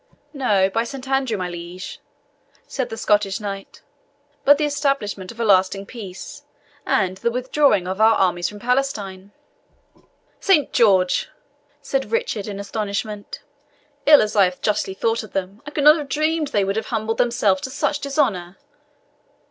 "No, by Saint Andrew, my liege," said the Scottish knight; "but the establishment of a lasting peace, and the withdrawing our armies from Palestine." "Saint George!" said Richard, in astonishment. "Ill as I have justly thought of them, I could not have dreamed they would have humbled themselves to such dishonour.